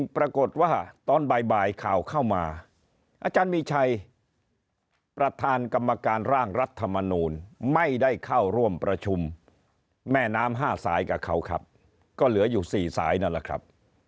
ประธานกรรมการร่างรัฐมนุนไม่ได้เข้าร่วมประชุมแม่น้ำ๕สายกับเขาครับก็เหลืออยู่๔สายนั่นแหละครับ